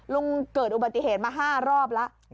ลุงเกิดอุบัติเหตุมา๕รอบแล้ว